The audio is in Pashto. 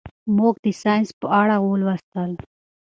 موږ د ساینس په اړه ولوستل.